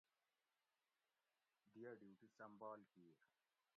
دی ھہ ڈیوٹی سمبھال کیر